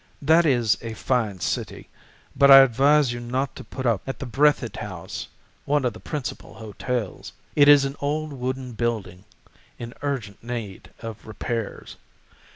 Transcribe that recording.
That is a fine city, but I advise you not to put up at the Breathitt House, one of the principal hotels. It is an old wooden building in urgent need of repairs.